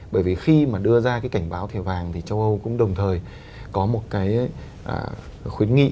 bởi vì khi mà đưa ra cái cảnh báo thẻ vàng thì châu âu cũng đồng thời có một cái khuyến nghị